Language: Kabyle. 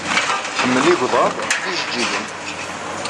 Tḥemmel igḍaḍ ed yijejjigen.